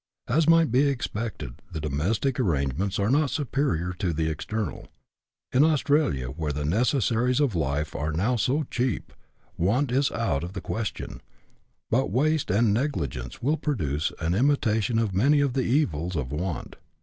As might be expected, the domestic arrangements are not superior to the external. In Australia, where the necessaries of life are now so cheap, want is out of the question, but waste and negligence will produce an imitation of many of the evils of want.